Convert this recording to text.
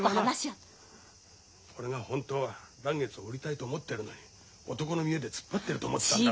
お前はな俺が本当は嵐月を売りたいと思ってるのに男の見栄で突っ張ってると思ってたんだな。